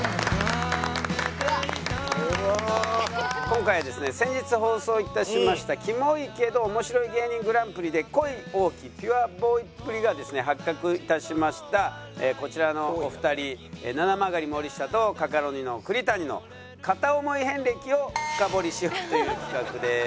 今回はですね先日放送致しましたキモイけど面白い芸人グランプリで恋多きピュアボーイっぷりが発覚致しましたこちらのお二人ななまがり森下とカカロニの栗谷の片思い遍歴を深掘りしようという企画です。